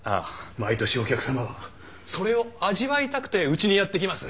毎年お客さまはそれを味わいたくてうちにやって来ます。